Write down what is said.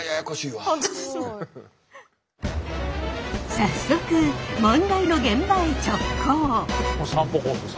早速問題の現場へ直行！